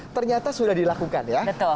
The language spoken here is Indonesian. ternyata sudah dilakukan ya